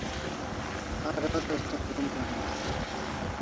A rat asta krom karim day